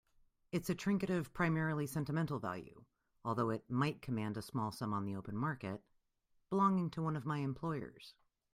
It's a trinket of primarily sentimental value, although it might command a small sum on the open market, belonging to one of my employers.